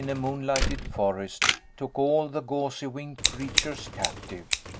a moonlighted forest, took all the gauzy winged crea tures captive.